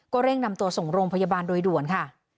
เร่งนำตัวส่งโรงพยาบาลโดยด่วนค่ะ